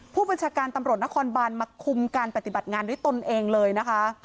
ผู้บัญชาการตำรวจนครบานมาคุมการปฏิบัติงานด้วยตนเองเลยนะคะ